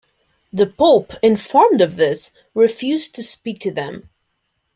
The Pope, informed of this, refused to speak to them.